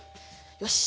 よし。